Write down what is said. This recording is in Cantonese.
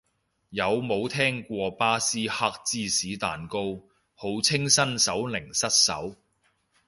有冇聽過巴斯克芝士蛋糕，號稱新手零失手